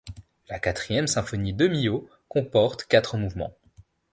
La quatrième symphonie de Milhaud comporte quatre mouvements.